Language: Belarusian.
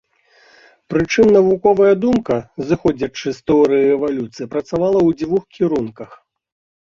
Прычым навуковая думка, зыходзячы з тэорыі эвалюцыі, працавала ў двух кірунках.